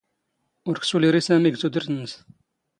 ⵓⵔ ⴽ ⵙⵓⵍ ⵉⵔⵉ ⵙⴰⵎⵉ ⴳ ⵜⵓⴷⵔⵜ ⵏⵏⵙ.